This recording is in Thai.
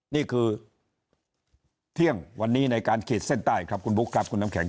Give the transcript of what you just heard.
นี่คือเที่ยงวันนี้ในการขีดเส้นใต้ครับคุณบุ๊คครับคุณน้ำแข็ง